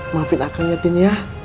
maafin akan ya tin ya